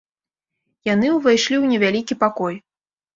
Яны ўвайшлі ў невялікі пакой.